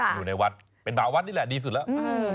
อยู่ในวัดเป็นหมาวัดนี่แหละดีสุดแล้ว